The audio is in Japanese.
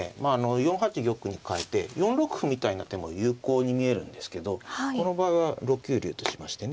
４八玉にかえて４六歩みたいな手も有効に見えるんですけどこの場合は６九竜としましてね